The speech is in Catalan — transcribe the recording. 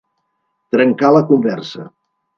Trencar la conversa.